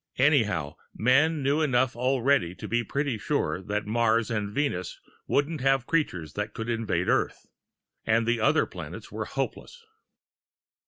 Anyhow, men knew enough already to be pretty sure that Mars and Venus wouldn't have creatures that could invade Earth and the other planets were hopeless.